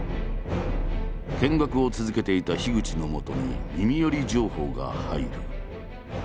見学を続けていた口のもとに耳寄り情報が入る。